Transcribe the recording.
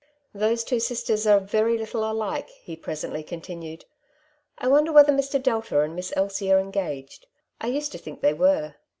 *' Those two sisters are very little alike," he presently con tinued. " I wonder whether Mr. Delta and Miss Elsie are engaged. I used to think they were."